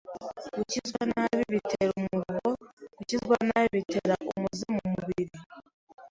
gukizwa nabi bitera umuruho, gukizwa nabi bitera umuze mu mubiri,